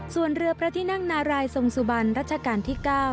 ส่วนเรือพระที่นั่งนารายทรงสุบันรัชกาลที่๙